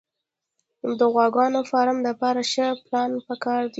د غواګانو فارم دپاره ښه پلان پکار دی